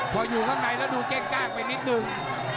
พออยู่ข้างในแล้วดูเก้งกล้างไปนิดนึง